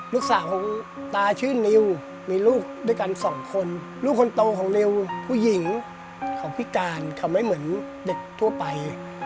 ลูกสาวของตาชื่อนิวมีลูกด้วยกันสองคนลูกคนโตของนิวผู้หญิงของพิการเขาไม่เหมือนเด็กทั่วไป